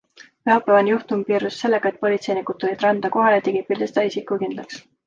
Pühapäevane juhtum piirdus sellega, et politseinikud tulid randa kohale ja tegid pildistaja isiku kindlaks.